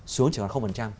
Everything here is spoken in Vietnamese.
xuống chỉ còn